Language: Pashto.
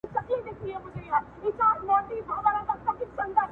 زه نن هم د سپرلي هره ښکالو نغمه کوومه